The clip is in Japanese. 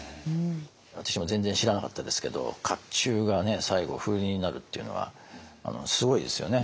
私も全然知らなかったですけど甲冑が最後風鈴になるっていうのはすごいですよね。